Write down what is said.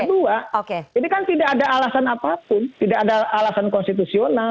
kedua ini kan tidak ada alasan apapun tidak ada alasan konstitusional